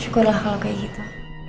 syukurlah kalau kayak gitu